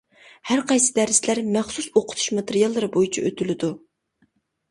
ھەر قايسى دەرسلەر مەخسۇس ئوقۇتۇش ماتېرىيالى بويىچە ئۆتىلىدۇ.